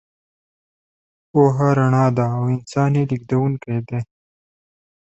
پوهه رڼا ده او انسان یې لېږدونکی دی.